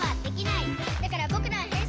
「だからぼくらはへんしんだ！」